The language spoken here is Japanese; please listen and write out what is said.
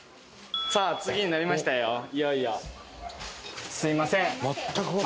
さあ次になりましたよいよいよ。